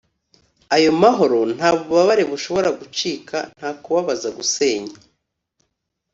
ayo mahoro nta bubabare bushobora gucika, nta kubabaza gusenya,